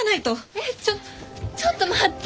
えっちょちょっと待って！